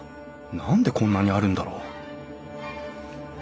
何でこんなにあるんだろう？